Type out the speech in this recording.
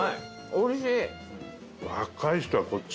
おいしい。